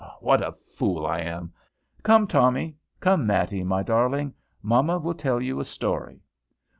"What a fool I am! Come, Tommy. Come, Matty, my darling. Mamma will tell you a story.